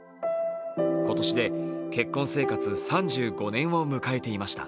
今年で結婚生活３５年を迎えていました。